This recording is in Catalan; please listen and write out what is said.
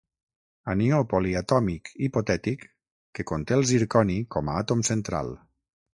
Anió poliatòmic hipotètic que conté el zirconi com a àtom central.